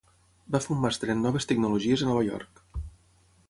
Va fer un màster en noves tecnologies a Nova York.